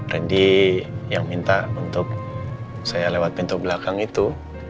randy yang minta untuk saya lewat pintu belakang itu